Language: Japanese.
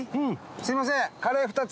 すみませんカレー２つ。